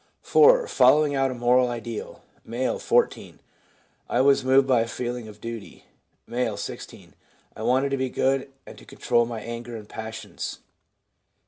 4. Following out a moral ideal. — M., 14. ' I was moved by a feeling of duty.' M., 16. ' I wanted to be good and to control my anger and passions.'